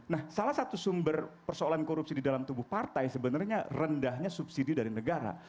nah salah satu sumber persoalan korupsi di dalam tubuh partai sebenarnya rendahnya subsidi dari negara